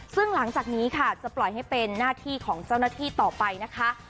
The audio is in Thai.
ซึ่งหลังจากนี้ค่ะจะปล่อยให้เป็นหน้าที่ของเจ้าหน้าที่ต่อไปนะคะ